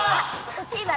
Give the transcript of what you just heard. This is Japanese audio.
惜しいな。